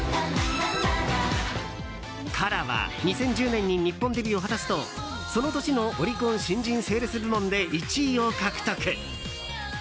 ＫＡＲＡは２０１０年に日本デビューを果たすとその年のオリコン新人セールス部門で１位を獲得。